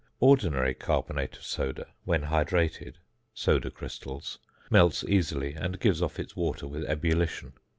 Ordinary carbonate of soda, when hydrated (soda crystals), melts easily, and gives off its water with ebullition.